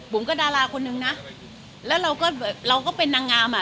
ก็ดาราคนนึงนะแล้วเราก็แบบเราก็เป็นนางงามอ่ะ